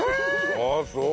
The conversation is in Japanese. ああそう。